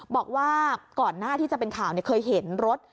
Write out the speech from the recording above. บอกว่าก่อนหน้าที่จะเป็นข่าวเคยเห็นรถ